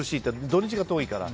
土日が遠いから。